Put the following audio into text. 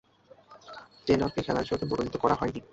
টেলরকে খেলার জন্য মনোনীত করা হয়নি।